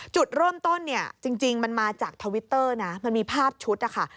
จุดร่วมต้นจริงมันมาจากทวิตเตอร์นะมันมีภาพชุดค่ะ